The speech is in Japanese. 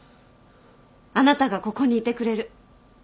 あなたがここにいてくれる。